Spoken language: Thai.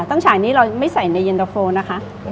ตั้งฉายนี้เราไม่ใส่ในเย็นเตอร์โฟล์นะคะ